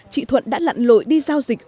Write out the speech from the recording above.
chị thuận đã lặn lội đi giao dịch